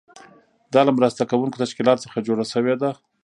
دا له مرسته کوونکو تشکیلاتو څخه جوړه شوې ده.